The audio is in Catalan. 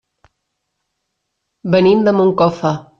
Venim de Moncofa.